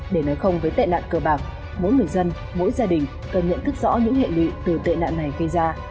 để nói không với tệ nạn cờ bạc mỗi người dân mỗi gia đình cần nhận thức rõ những hệ lụy từ tệ nạn này gây ra